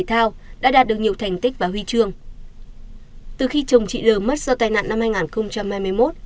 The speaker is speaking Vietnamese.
từ khi chồng chị n t l mất do tai nạn năm hai nghìn hai mươi một